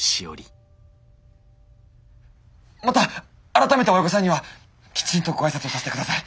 また改めて親御さんにはきちんとご挨拶をさせて下さい。